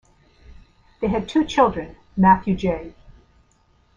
They had two children: Matthew J.